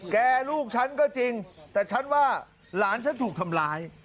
ลูกฉันก็จริงแต่ฉันว่าหลานฉันถูกทำร้าย